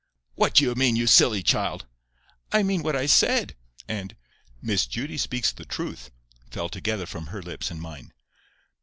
"What do you mean, you silly child?" "I mean what I say," and "Miss Judy speaks the truth," fell together from her lips and mine.